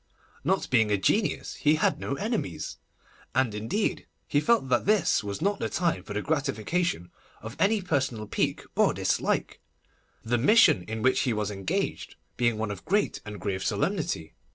Not being a genius, he had no enemies, and indeed he felt that this was not the time for the gratification of any personal pique or dislike, the mission in which he was engaged being one of great and grave solemnity.